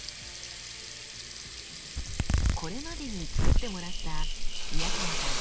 これまでにつくってもらった宮川さん